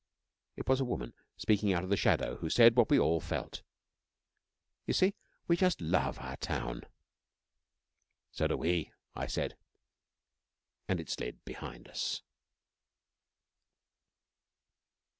It was a woman, speaking out of the shadow, who said, what we all felt, 'You see, we just love our town,' 'So do we,' I said, and it slid behind us.